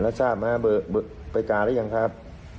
แล้วสามารถไปการรึยังครับ